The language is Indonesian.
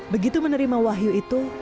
begitu menerima wahyu itu